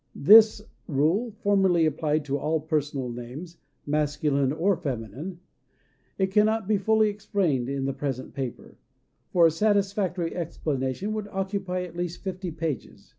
This rule formerly applied to all personal names, masculine or feminine. It cannot be fully explained in the present paper; for a satisfactory explanation would occupy at least fifty pages.